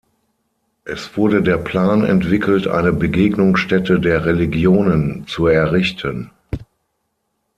Es wurde der Plan entwickelt, eine Begegnungsstätte der Religionen zu errichten.